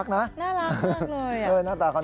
นี่ภายในงานประกวดหุ่นเปรตพาเรศเปรต